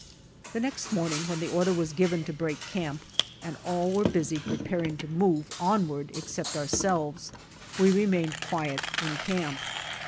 The next morning when the order was given to break camp and all were busy preparing to move onward except ourselves, we remained quiet in camp.